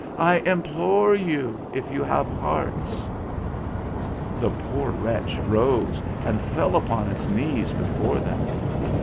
I implore you, if you have hearts !" The poor wretch rose and fell upon its knees before them.